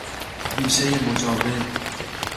بیشهی مجاور